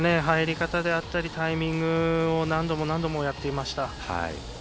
入り方であったり、タイミングを何度も何度もやっていました。